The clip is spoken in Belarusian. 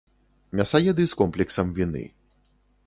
Мясаеды з комплексам віны.